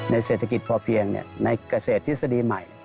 เศรษฐกิจพอเพียงในเกษตรทฤษฎีใหม่